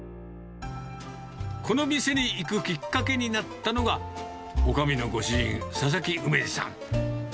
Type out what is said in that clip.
この店に行くきっかけになったのが、おかみのご主人、佐々木梅治さん。